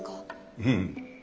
うん。